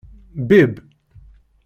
Bibb.